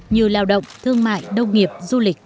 như lào động thương mại đông nghiệp du lịch